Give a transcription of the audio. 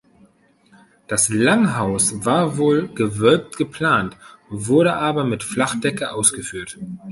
Das Langhaus war wohl gewölbt geplant, wurde aber mit Flachdecke ausgeführt.